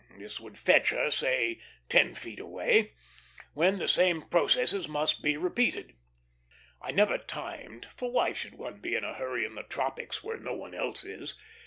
This would fetch her, say, ten feet away, when the same processes must be repeated. I never timed, for why should one be in a hurry in the tropics, where no one else is?